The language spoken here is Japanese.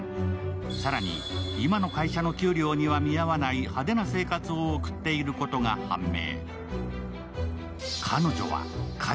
更に今の会社の給料には見合わない派手な生活を送っていることが判明。